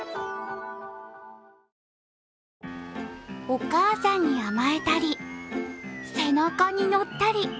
お母さんに甘えたり、背中に乗ったり。